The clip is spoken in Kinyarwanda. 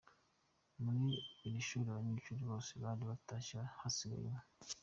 Muri iri ishuli abanyeshuli bose bari batashye hasigaye umwe.